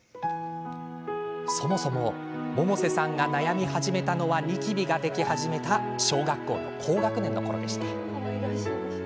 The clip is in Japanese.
そもそも、百瀬さんが悩み始めたのはニキビができ始めた小学校の高学年のころ。